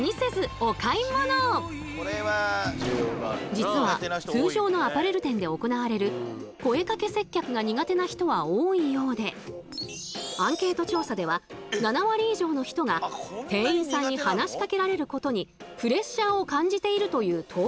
実は通常のアパレル店で行われるアンケート調査では７割以上の人が店員さんに話しかけられることにプレッシャーを感じているという統計も。